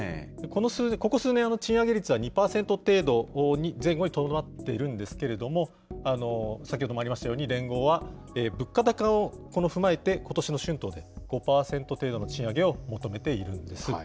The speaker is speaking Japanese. ここ数年、賃上げ率は２％程度前後にとどまっているんですけれども、先ほどもありましたように、連合は物価高を踏まえて、ことしの春闘で５％程度の賃上げを求めているんです。